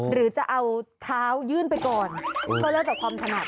หรือจะเอาเท้ายื่นไปก่อนก็แล้วแต่ความถนัด